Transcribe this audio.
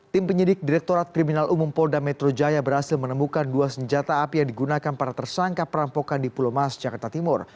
tim penyidik direktorat kriminal umum polda metro jaya berhasil menemukan dua senjata api yang digunakan para tersangka perampokan di pulau mas jakarta timur